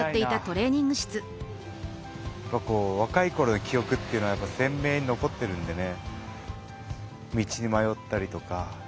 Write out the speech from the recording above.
若いころの記憶っていうのは鮮明に残ってるんでね。